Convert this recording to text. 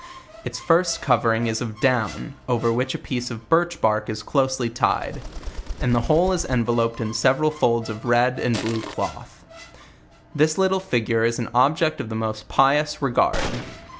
Its first covering is of down, .over which a piece of birch bark is closely tied; and the whole is enveloped in several folds of red and blue cloth. ..This little <figue is an object of the most pious regard.